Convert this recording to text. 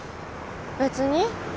別に。